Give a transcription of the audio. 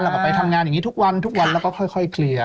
เราก็ไปทำงานอย่างนี้ทุกวันทุกวันแล้วก็ค่อยเคลียร์